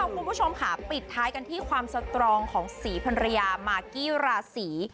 คุณผู้ชมค่ะปิดท้ายกันที่ความสตรองของศรีพันรยามากกี้ราศี